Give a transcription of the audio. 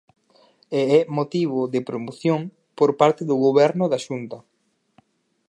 E é motivo de promoción por parte do Goberno da Xunta.